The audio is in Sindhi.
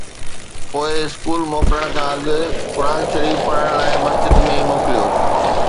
پوءِ اسڪول موڪلڻ کان اڳ قرآن شريف پڙهڻ لاءِ مسجد ۾ موڪليو